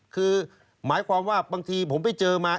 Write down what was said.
คือหมายความว่าบางทีผมไปเจอมา